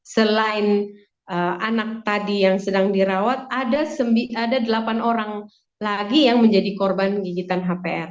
selain anak tadi yang sedang dirawat ada delapan orang lagi yang menjadi korban gigitan hpr